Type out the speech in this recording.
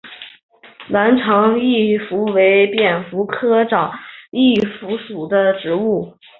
南长翼蝠为蝙蝠科长翼蝠属的动物。